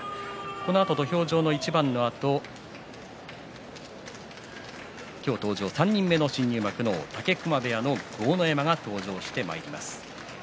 このあと、土俵上の一番のあと今日登場３人目の新入幕の武隈部屋の豪ノ山が登場してまいります。